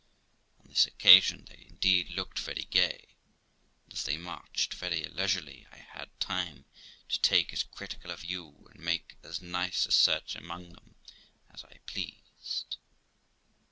On this occasion they indeed looked very gay; and, as they marched very leisurely, I had time to take as critical a view and make as nice a search among them as I pleased.